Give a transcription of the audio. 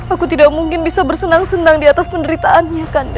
aku tidak mungkin bisa bersenang senang di atas penderitaan ya kanda